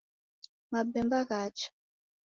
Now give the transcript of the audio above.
Mapemba ghacha.